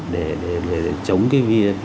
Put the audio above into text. để chống cái ví dụ